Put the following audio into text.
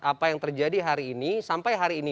apa yang terjadi hari ini sampai hari ini